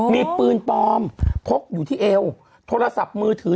มีปืนปลอมพกอยู่ที่เอวโทรศัพท์มือถือ